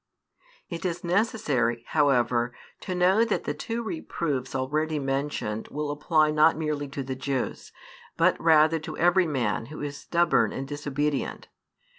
It is necessary, however, to know that the two reproofs already mentioned will apply not merely to the Jews, |446 but rather to every man who is stubborn and disobedient.